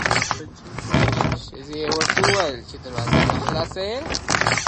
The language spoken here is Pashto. ښځې يې ورته وويل چې دروازه نه خلاصوي.